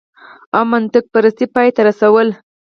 او منطقه پرستۍ پای ته رسول